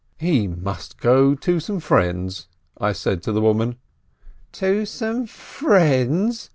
"He must go to some friends," I said to the woman. "To some friends?"